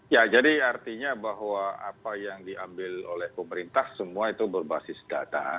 ya jadi artinya bahwa apa yang diambil oleh pemerintah semua itu berbasis data